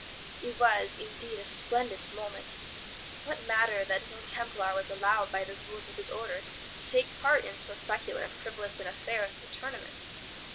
It was, indeed, a splendid moment! What matter that no Templar was allowed by the rules of his Order to take part in so secular and frivolous an affair as a tournament?